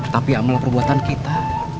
tapi amal perbuatan kita